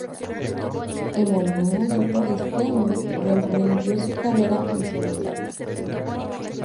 En algún momento de ese año, reemprendió su carrera en solitario.